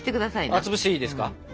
潰していいですか？